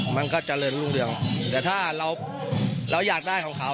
มันก็เจริญรุ่งเรืองแต่ถ้าเราอยากได้ของเขา